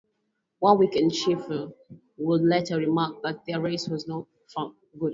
Warwick and Cheever would later remark that their race was "good fun".